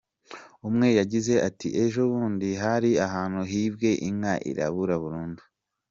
Umwe yagize ati “Ejo bundi hari ahantu hibwe inka irabura burundu.